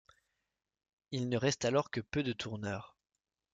Il ne reste alors que peu de tourneurs.